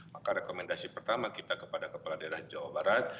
maka rekomendasi pertama kita kepada kepala daerah jawa barat